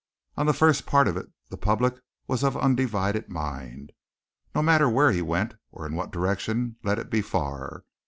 On the first part of it the public was of undivided mind. No matter where he went, or in what direction, let it be far.